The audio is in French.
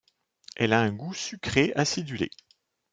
Elle a un goût sucré acidulé.